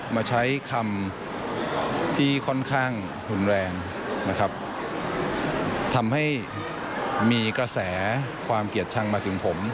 มาใช้คำที่ค่อนข้างรุนแรงนะครับทำให้มีกระแสความเกลียดชังมาถึงผม